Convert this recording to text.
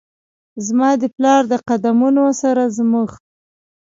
زما د پلار د قد مونو سره زموږ،